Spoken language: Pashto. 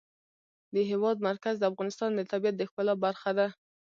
د هېواد مرکز د افغانستان د طبیعت د ښکلا برخه ده.